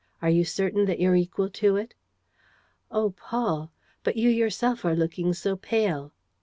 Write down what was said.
Are you certain that you're equal to it?" "Oh, Paul ... But you yourself are looking so pale."